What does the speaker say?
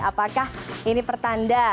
apakah ini pertanda